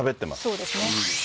そうですね。